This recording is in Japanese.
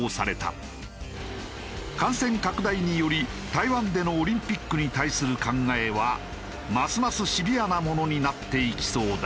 感染拡大により台湾でのオリンピックに対する考えはますますシビアなものになっていきそうだ。